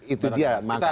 itu dia makanya